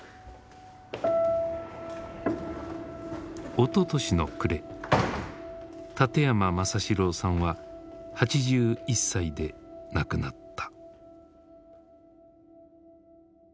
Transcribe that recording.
おととしの暮れ館山政四郎さんは８１歳で亡くなった。